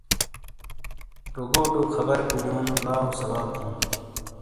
روگوٹو خبر گینیو نو لاٶ ثواب ہُوں۔